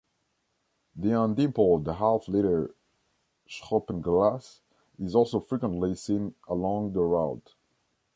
The undimpled half-litre "Schoppenglas" is also frequently seen along the route.